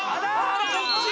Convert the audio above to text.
こっち！